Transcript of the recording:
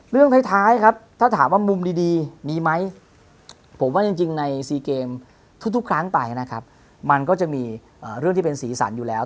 เรื่องท้ายครับถ้าถามว่ามุมดีมีไหมผมว่าจริงใน๔เกมทุกครั้งไปนะครับมันก็จะมีเรื่องที่เป็นสีสันอยู่แล้ว